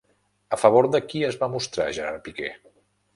A favor de qui es va mostrar Gerard Piqué?